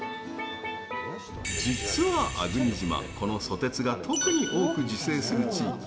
実は粟国島、このソテツが特に多く自生する地域。